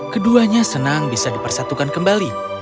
keduanya senang bisa dipersatukan kembali